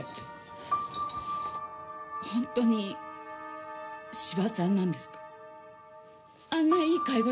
本当に斯波さんなんですか？